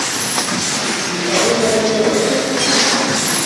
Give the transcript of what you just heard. ŋun kpa o yɛlli n nyɛri o yɛlli.